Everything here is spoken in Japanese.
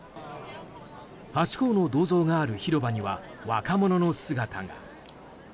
ハチ公の銅像がある広場には若者の姿が。